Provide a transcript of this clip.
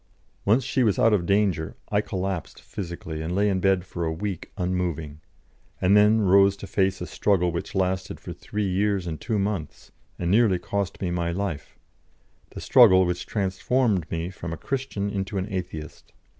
Once she was out of danger I collapsed physically, and lay in bed for a week unmoving, and then rose to face a struggle which lasted for three years and two months, and nearly cost me my life, the struggle which transformed me from a Christian into an Atheist.